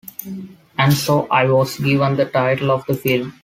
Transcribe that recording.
And so I was given the title of the film.